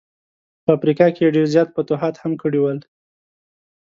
په افریقا کي یې ډېر زیات فتوحات هم کړي ول.